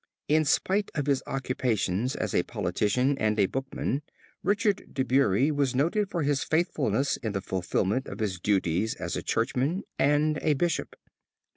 In spite of his occupations as a politician and a bookman, Richard De Bury was noted for his faithfulness in the fulfilment of his duties as a churchman and a bishop.